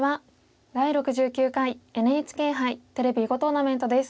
「第６９回ＮＨＫ杯テレビ囲碁トーナメント」です。